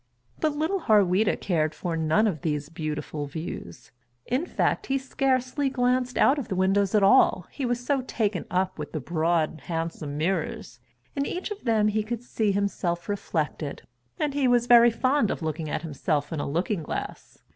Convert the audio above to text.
But little Harweda cared for none of these beautiful views. In fact he scarcely glanced out of the windows at all, he was so taken up with the broad handsome mirrors. In each of them he could see himself reflected, and he was very fond of looking at himself in a looking glass.